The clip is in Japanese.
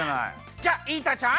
じゃあイータちゃん。